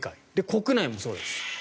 国内もそうです。